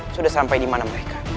sudah sampai dimana mereka